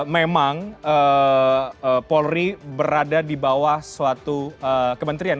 memang polri berada di bawah suatu kementerian